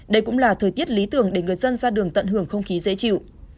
đây cũng là thời tiết lý tưởng để người dân ra đường tận hưởng không khí dễ chịu